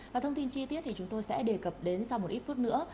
và thông tin chi tiết thì chúng tôi sẽ đề cập đến sau một ít phút nữa